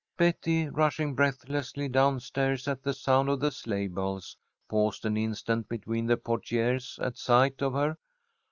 Betty, rushing breathlessly down stairs at the sound of the sleigh bells, paused an instant between the portières at sight of her.